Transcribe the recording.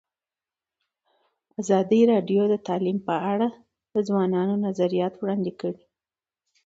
ازادي راډیو د تعلیم په اړه د ځوانانو نظریات وړاندې کړي.